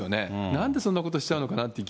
なんでそんなことしちゃうのかな